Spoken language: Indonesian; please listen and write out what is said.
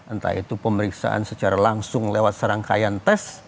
entah itu pemeriksaan secara langsung lewat serangkaian tes